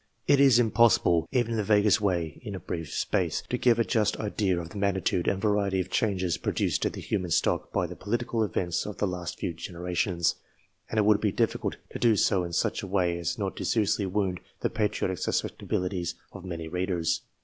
It is impossible, even in the vaguest way, in a brief space, to give a just idea of the magnitude and variety of changes produced in the human stock by the political events of the last few generations, and it would be difficult to do so in such a way as not to seriously wound the patriotic susceptibilities of many readers.